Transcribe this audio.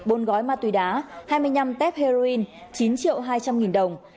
phân liều bốn gói ma túy đá hai mươi năm tép heroin chín triệu hai trăm linh nghìn đồng